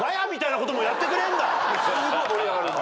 すごい盛り上がるんで。